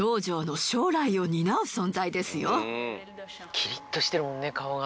キリッとしてるもんね顔が。